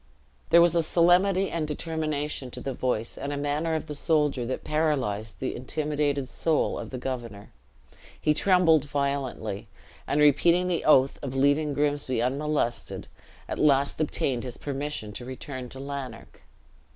There was a solemnity and determination in the voice and manner of the soldier that paralyzed the intimidated soul of the governor; he trembled violently, and repeating the oath of leaving Grimsby unmolested, at last obtained his permission to return to Lanark.